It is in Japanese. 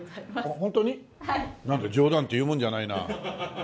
なんだ冗談って言うもんじゃないな。